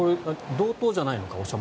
道東じゃないのか。